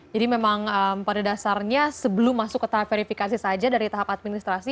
jadi memang pada dasarnya sebelum masuk ke tahap verifikasi saja dari tahap administrasi